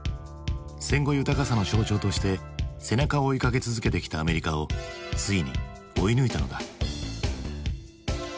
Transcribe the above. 戦後豊かさの象徴として背中を追いかけ続けてきたアメリカをついに追い抜いたのだ。